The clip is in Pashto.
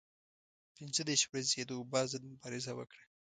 پنځه دېرش ورځې یې د وبا ضد مبارزه وکړه.